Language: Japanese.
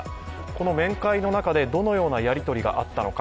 この面会の中でどのようなやりとりがあったのか